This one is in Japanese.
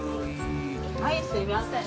はいすいません。